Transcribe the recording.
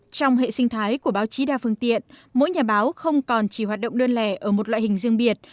trong hệ sinh thái của báo chí đa phương tiện mỗi nhà báo không còn chỉ hoạt động đơn lẻ ở một loại hình riêng biệt